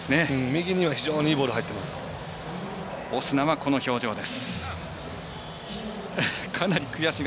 右には非常にいいボール入ってます。